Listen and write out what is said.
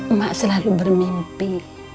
emak selalu bermimpi